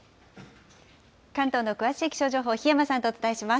関東の詳しい気象情報、檜山さんとお伝えします。